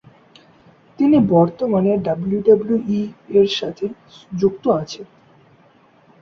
তিনি বর্তমানে ডাব্লিউডাব্লিউই এর সাথে যুক্ত আছেন।